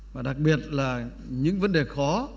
và đặc biệt là những vấn đề khó